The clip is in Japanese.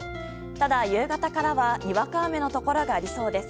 ただ、夕方からはにわか雨のところがありそうです。